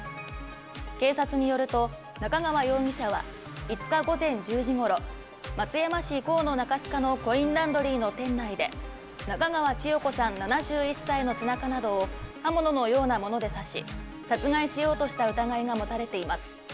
警察によると、中川容疑者は５日午前１０時ごろ、松山市河野中須賀のコインランドリーの店内で、中川千代子さん７１歳の背中などを刃物のようなもので刺し、殺害しようとした疑いが持たれています。